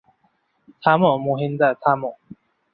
থামো মহিনদা, থামো।